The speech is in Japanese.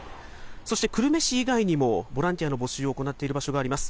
そして久留米市以外にも、ボランティアの募集を行っている場所があります。